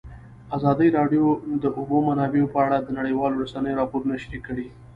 ازادي راډیو د د اوبو منابع په اړه د نړیوالو رسنیو راپورونه شریک کړي.